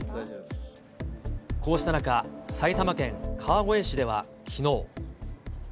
こうした中、埼玉県川越市ではきのう。